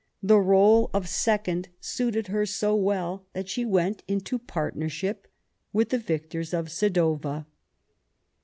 The role of second suited her so well that she went into partnership with the victors of Sadowa.